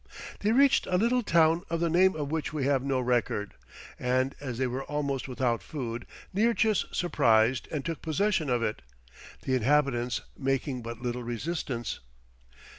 They reached a little town, of the name of which we have no record, and as they were almost without food Nearchus surprised and took possession of it, the inhabitants making but little resistance.